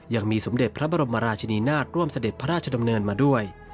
ยังมีสมเด็จพระบรมราชนีนาฏร่วมเสด็จพระราชดำเนินมาด้วย